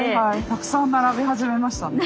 たくさん並び始めましたね。